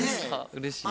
うれしい。